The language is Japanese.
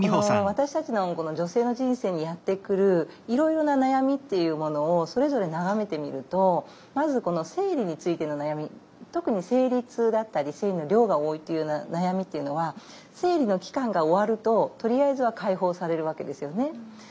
この私たちの女性の人生にやって来るいろいろな悩みっていうものをそれぞれ眺めてみるとまずこの生理についての悩み特に生理痛だったり生理の量が多いというような悩みっていうのは生理の期間が終わるととりあえずは解放されるわけですよね。